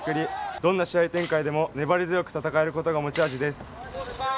どんな試合展開でも粘り強く戦えることが持ち味です。